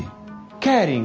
「ケアリング」。